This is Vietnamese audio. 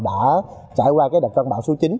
đã trải qua đặc trân bão số chín